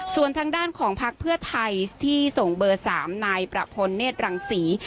ส่วนทางด้านของพักเพื่อไทยที่ส่งเบอร์๓นายประพลเนธรังศรี